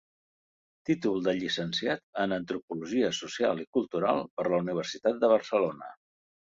Títol de Llicenciat en Antropologia Social i Cultural per la Universitat de Barcelona.